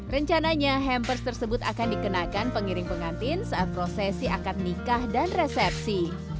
rencananya hampers tersebut akan dikenakan pengiring pengantin saat prosesi akad nikah dan resepsi